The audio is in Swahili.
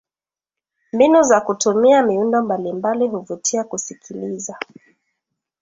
mbinu za kutumia miundo mbalimbali huvutia kusikiliza